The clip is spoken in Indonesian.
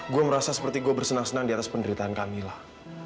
gue merasa seperti gue bersenang senang di atas penderitaan kami lah